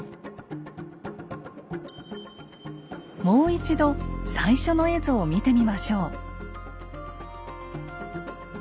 もう一度最初の絵図を見てみましょう。